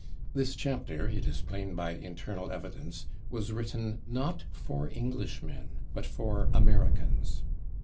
" This chapter, it is plain by internal evidence, was written, not for Englishmen, but for Americans.